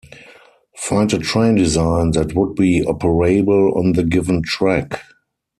Find a train design that would be operable on the given track.